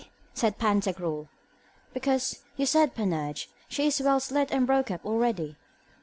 said Pantagruel. Because, said Panurge, she is well slit and broke up already.